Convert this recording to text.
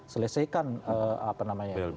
selesaikan apa namanya